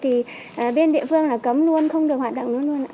thì bên địa phương là cấm luôn không được hoạt động luôn luôn